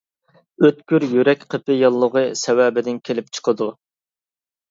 ئۆتكۈر يۈرەك قېپى ياللۇغى سەۋەبىدىن كېلىپ چىقىدۇ.